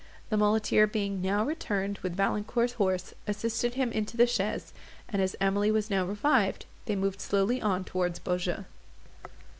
The muleteer being now returned with Valancourt's horse, assisted him into the chaise; and, as Emily was now revived, they moved slowly on towards Beaujeu.